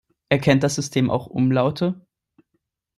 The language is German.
Erkennt das System auch Umlaute?